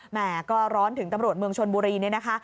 แม่ก็ร้อนถึงตำรวจเมืองชนบุรีเนี่ยนะคะ